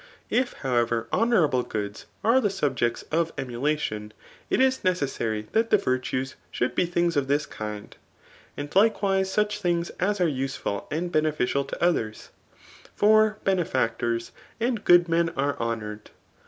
If, however, honourable goods are the subjects of emulation, it is necessary that the virtues should be things of this kind ; and likewise such things as are useful and beneficial to others. For benefiatctors and good men are honoured.